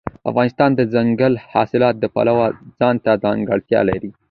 افغانستان د دځنګل حاصلات د پلوه ځانته ځانګړتیا لري.